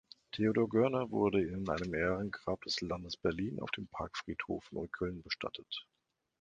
Theodor Görner wurde in einem Ehrengrab des Landes Berlin auf dem Parkfriedhof Neukölln bestattet.